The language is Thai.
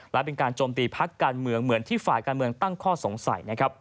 และเป็นการโจมตีพักการเมืองเหมือนที่ฝ่ายการเมืองตั้งข้อสงสัยนะครับ